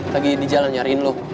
lagi di jalan nyariin loh